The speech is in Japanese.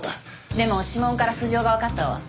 でも指紋から素性がわかったわ。